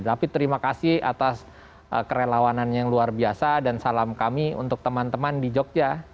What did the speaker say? tapi terima kasih atas kerelawanan yang luar biasa dan salam kami untuk teman teman di jogja